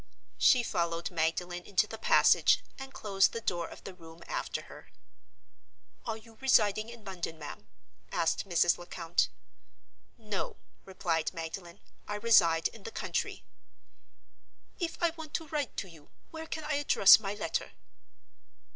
She followed Magdalen into the passage, and closed the door of the room after her. "Are you residing in London, ma'am?" asked Mrs. Lecount. "No," replied Magdalen. "I reside in the country." "If I want to write to you, where can I address my letter?"